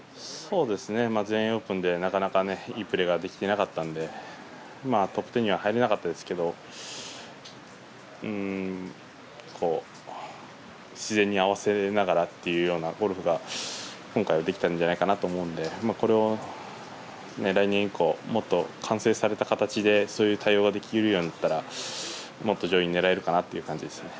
全英オープンでなかなかいいプレーができてなかったのでトップ１０には入れなかったですけど自然に合わせながらっていうゴルフが今回はできたんじゃないかなと思うのでこれを来年以降もっと完成された形でもっとできるようになったらもっと上位を狙えるかなという感じですね。